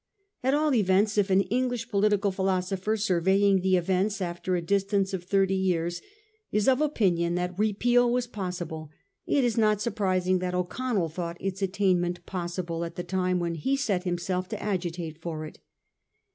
At all events, if an English political philosopher, surveying the events after a distance of thirty years, is of opinion that Repeal was possible, it is not surpris ing that O'Connell thought its attainment possible at the time when he set himself to agitate for it.